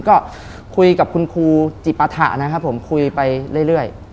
ก็คุยกับคุณครูจิปฐะนะครับผมคุยไปเรื่อย